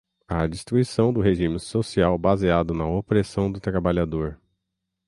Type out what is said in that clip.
à destruição do regime social baseado na opressão do trabalhador